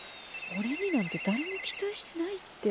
俺になんて誰も期待してないって。